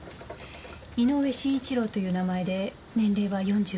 井上晋一郎という名前で年齢は４５歳。